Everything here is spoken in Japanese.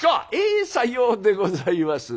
「ええさようでございます」。